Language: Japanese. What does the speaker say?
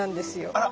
あら。